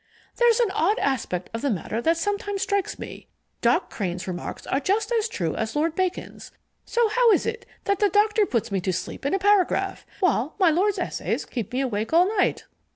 There's an odd aspect of the matter that sometimes strikes me: Doc Crane's remarks are just as true as Lord Bacon's, so how is it that the Doctor puts me to sleep in a paragraph, while my Lord's essays keep me awake all night?"